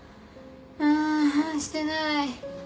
あしてない。